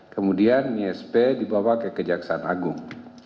kemudian ysp dibawa ke kejaksaan agung